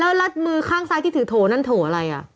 แล้วรัดมือข้างซ้ายที่ถือโถนั่นโถอะไร